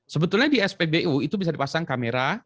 sebetulnya di spbu itu bisa dipasang kamera